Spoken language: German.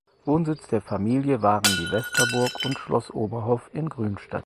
Wohnsitze der Familie waren die Westerburg und Schloss Oberhof in Grünstadt.